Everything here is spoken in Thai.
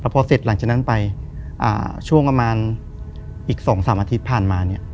พอเสร็จหลังจากนั้นไปช่วงประมาณอีก๒๓อาทิตย์ที่ผ่านมาเนี่ย